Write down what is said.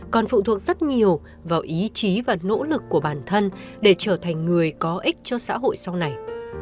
còn phụ thuộc rất nhiều vào ý chí và nỗ lực của bản thân để trở thành người có ích cho xã hội sau này